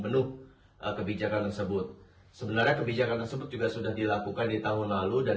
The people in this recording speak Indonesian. penuh kebijakan tersebut sebenarnya kebijakan tersebut juga sudah dilakukan di tahun lalu dan